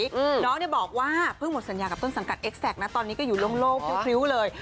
น้องเนี่ยบอกว่าเพิ่งหมดสัญญากับต้นสังกัดเอ็กแซคนะตอนนี้ก็อยู่โล่งพริ้วเลย